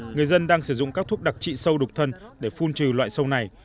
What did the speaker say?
người dân đang sử dụng các thuốc đặc trị sâu đục thân để phun trừ loại sâu này